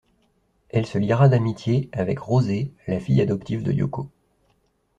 Elle se liera d'amitié avec Rosée, la fille adoptive de Yoko.